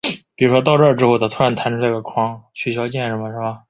梁孔德更承认有意调整日后代表队比赛的票价。